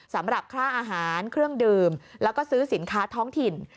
สำหรับค่าอาหารเครื่องดื่มแล้วก็ซื้อสินค้าท้องถิ่น